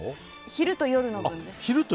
昼と夜の分です。